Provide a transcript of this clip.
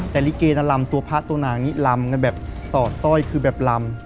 แต่ลิเกน่ะลำตัวพระตัวนางนี้ลำกันแบบสอดสร้อยคือแบบลำ